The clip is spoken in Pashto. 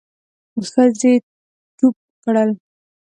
ښځې ټوپ کړل.